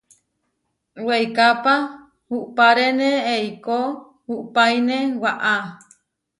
Weikápa uʼpárene eikó uʼpáine waʼá.